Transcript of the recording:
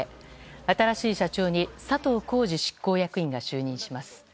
新しい社長に佐藤恒治執行役員が就任します。